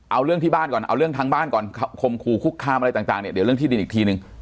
เอาเรื่องที่บ้านก่อนเอาเรื่องทางบ้านก่อนคมคู่คุกคามอะไรต่างเนี่ยเดี๋ยวเรื่องที่ดินอีกทีนึง